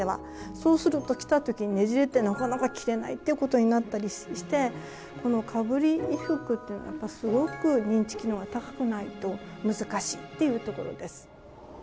そうすると着た時にねじれてなかなか着れないっていうことになったりしてこのかぶり衣服っていうのはやっぱりすごく認知機能が高くないと難しいっていうところです。